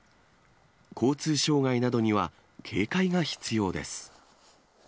交通障害などには警戒が必要です。